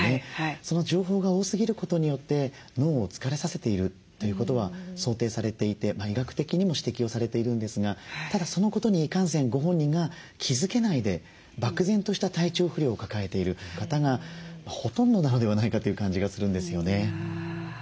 その情報が多すぎることによって脳を疲れさせているということは想定されていて医学的にも指摘をされているんですがただそのことにいかんせんご本人が気付けないで漠然とした体調不良を抱えている方がほとんどなのではないかという感じがするんですよね。